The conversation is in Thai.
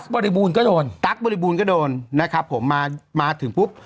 ตั๊กบริบูลก็โดนตั๊กบริบูลก็โดนนะครับผมมาถึงปุ๊บ